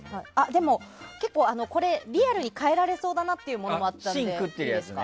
でも、リアルに変えられそうだなというものもあったので。